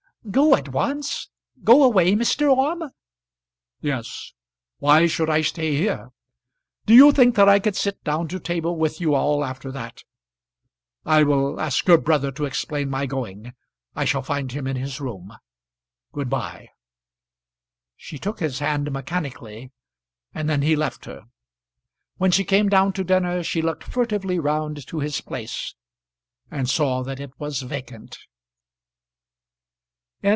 "Go at once! Go away, Mr. Orme?" "Yes; why should I stay here? Do you think that I could sit down to table with you all after that? I will ask your brother to explain my going; I shall find him in his room. Good bye." She took his hand mechanically, and then he left her. When she came down to dinner she looked furtively round to his place and saw that it was vacant.